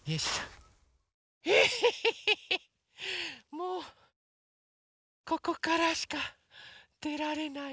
もうここからしかでられない。